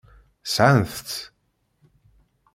Sɛant-t.